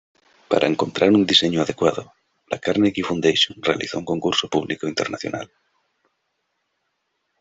Para encontrar un diseño adecuado, la "Carnegie Foundation" realizó un concurso público internacional.